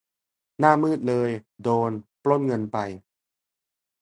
หน้ามืดเลย โดน ปล้นเงินไป